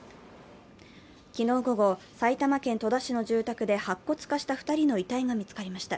昨日午後、埼玉県戸田市の住宅で白骨化した２人の遺体が見つかりました。